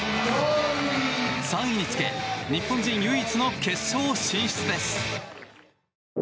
３位につけ日本人唯一の決勝進出です。